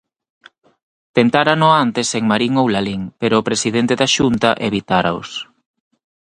Tentárano antes en Marín ou Lalín, pero o presidente da Xunta evitáraos.